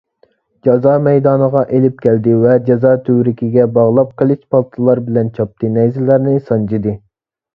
جازا مەيدانىغا ئېلىپ كەلدى ۋە جازا تۈۋرۈكىگە باغلاپ قىلىچ، پالتىلار بىلەن چاپتى، نەيزىلەرنى سانجىدى.